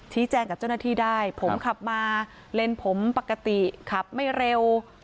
แจ้งกับเจ้าหน้าที่ได้ผมขับมาเลนผมปกติขับไม่เร็ว